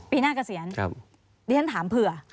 ปีหน้ากระเศียรที่ท่านถามเพื่อ